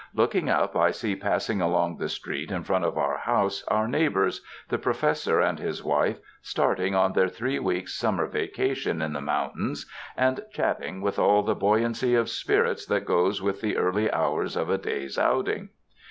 Looking up I see passing along the street in front of our house, our neighbors, the Professor and his wife, starting on their three weeks' summer vaca tion in the mountains, and chatting with all the buoyancy of spirits that goes with the early hours of a day's outing.